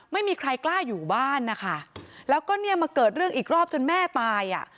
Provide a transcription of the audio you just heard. ไม่มีใครกล้าอยู่บ้านนะคะแล้วก็เนี่ยมาเกิดเรื่องอีกรอบจนแม่ตายอ่ะ